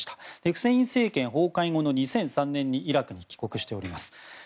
フセイン政権崩壊後の２００３年にイラクに帰国しています。